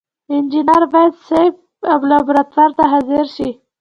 انجینر باید صنف او لابراتوار ته حاضر شي.